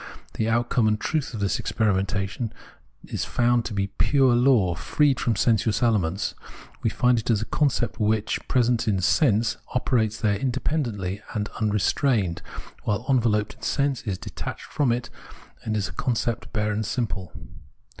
The outcome and truth of this experimentation is found to be fure law, freed from sensuous elements ; we find it as a concept, which, while present in sense, operates there independently and un restrained, while enveloped in sense, is detached from it, and is a concept bare and simple.